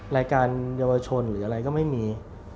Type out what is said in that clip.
รายการเยาวชนหรืออะไรก็ไม่มี